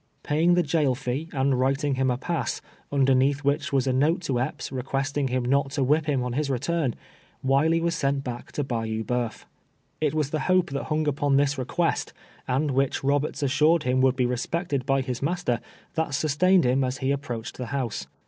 Paying tlie jail tec, and writing Lini a pass, nnder neatli wlTu li was a note to Epps, requesting Lini not to wLip Lim on Lis return, Wiley Avas sent back to Bayou Banif. It Avas tlie Lope tliat Lung upon tLis request, and wLicli Roberts assured Lim would be re spected by Lis master, tLat sustained Lim as Le ap proacLed tLe Louse.